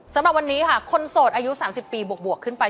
สำหรับวันนี้ค่ะคนโสดอายุ๓๐ปีบวกขึ้นไป